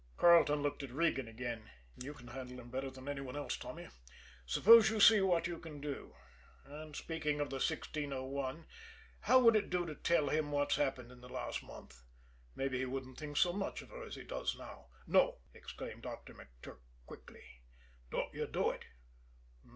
Carleton looked at Regan again. "You can handle him better than any one else, Tommy. Suppose you see what you can do? And speaking of the 1601, how would it do to tell him what's happened in the last month. Maybe he wouldn't think so much of her as he does now." "No!" exclaimed Doctor McTurk quickly. "Don't you do it!"